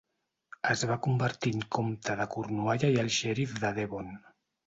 Es va convertir en comte de Cornualla i alt xerif de Devon.